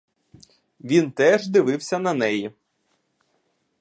Він теж дивився на неї.